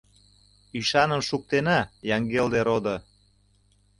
Ӱшаным шуктена, Яҥгелде родо.